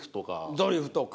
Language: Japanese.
ドリフとか。